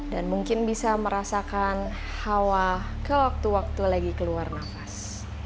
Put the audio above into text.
dan mungkin bisa merasakan hawa ke waktu waktu lagi keluar nafas